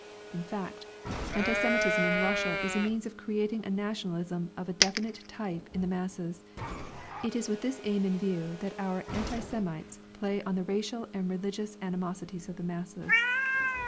In fact, anti Semitism in Russia is a means of creating a nationalism of a definite type in the masses, it is with this aim in view that our anti Semites play on the racial and religious animosities of the masses.